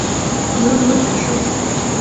牛乳子树